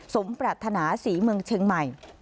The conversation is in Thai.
สมปรัฐนาศรีเมืองเชียงใหม่